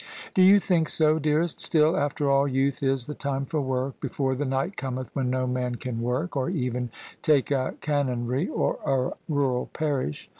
" Do you think so, dearest? Still, after all, youth is the time for work, before the night cometh when no man can work, or even take a Canonry or a rural parish.